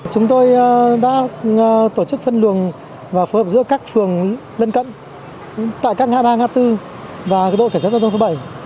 chúng tôi đã tổ chức phân luồng và phối hợp giữa các phường lân cận tại các ngã ba ngã tư và đội cảnh sát giao thông thứ bảy